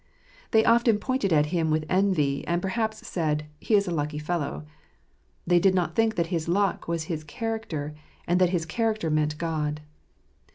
They often pointed at him with envy, and perhaps said, " He is a lucky fellow." They did not think that his luck was his character ; and that his character meant God.